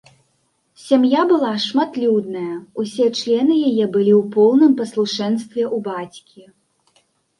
Сям'я была шматлюдная, усе члены яе былі ў поўным паслушэнстве ў бацькі.